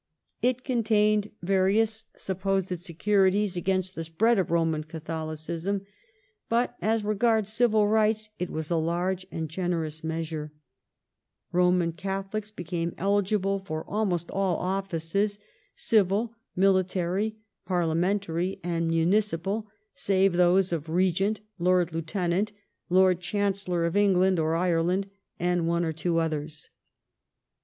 It contained various ^ Peel, Memoirs, i, 310. 1830] CATHOLIC EMANCIPATION 85 supposed securities against the spread of Roman Catholicism, but as regai ds civil rights it was a large and generous measure. Roman Catholics became eligible for almost all offices, civil, military, parliamentary, and municipal, save those of Regent, Lord Lieu tenant, Lord Chancellor of England or Ireland, and one or two others.